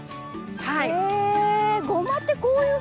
はい。